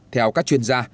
theo các chuyên gia